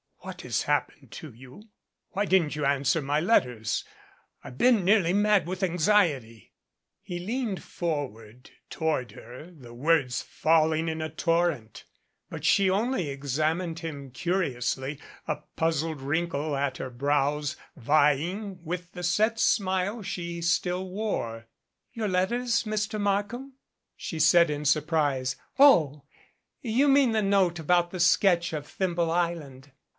"What has happened to you? Why didn't you answer my letters. I've been nearly mad with anxiety." He leaned forward toward her, the words falling in a torrent. But she only examined him curiously, a puzzled wrinkle at her brows vying with the set smile she still wore. "Your letters, Mr. Markham!" she said in surprise. "Oh! You mean the note about the sketch of Thimble Island?